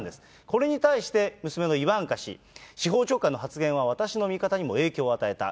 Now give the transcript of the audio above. これに対して、娘のイバンカ氏、司法長官の発言は私の見方にも影響を与えた。